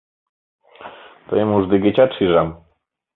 Тыйым уждегечат шижам...